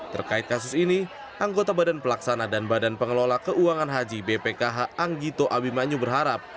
terkait kasus ini anggota badan pelaksana dan badan pengelola keuangan haji bpkh anggito abimanyu berharap